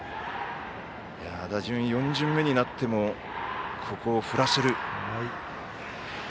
打順４巡目になってもここを振らせる。